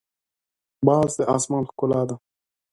باز د اسمان ښکلا ده